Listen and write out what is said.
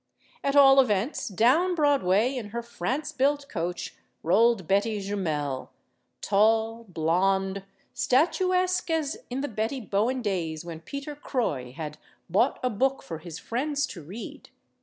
At all events, down Broadway in her France built coach rolled Betty Jumel tall, blond, statuesque as in the Betty Bowen days when Peter Croix had "bought a book for his friends to read."